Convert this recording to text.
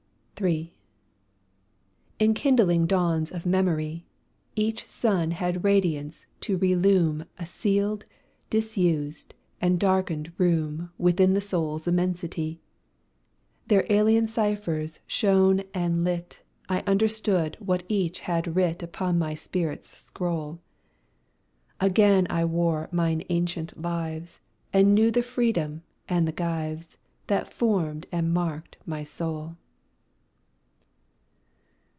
III Enkindling dawns of memory, Each sun had radiance to relume A sealed, disused, and darkened room Within the soul's immensity. Their alien ciphers shown and lit, I understood what each had writ Upon my spirit's scroll; Again I wore mine ancient lives, And knew the freedom and the gyves That formed and marked my soul.